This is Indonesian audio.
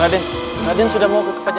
raden raden sudah mau ke kajian